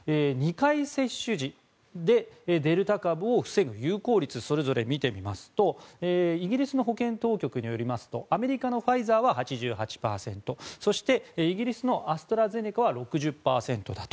２回接種時でデルタ株を防ぐ有効率それぞれ見てみますとイギリスの保健当局によりますとアメリカのファイザーは８８％そしてイギリスのアストラゼネカは６０％だと。